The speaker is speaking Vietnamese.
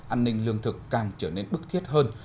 an ninh lương thực càng trở nên bức thiết hơn